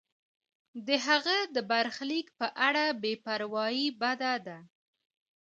د هغه د برخلیک په اړه بې پروایی بده ده.